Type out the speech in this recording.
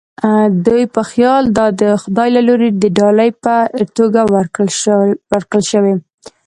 دوی په خیال دا د خدای له لوري د ډالۍ په توګه ورکړل شوې.